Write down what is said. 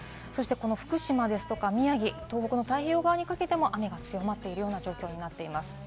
福島ですとか宮城、東北の太平洋側にかけても、雨が強まっているような状況になっています。